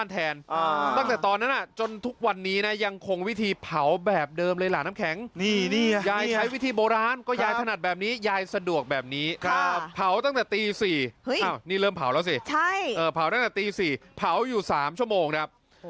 เป็นแถวแล้วก็ใส่ไฟไฟต้องสม่ำเสมอนะ